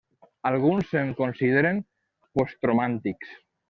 Alguns se'n consideren postromàntics.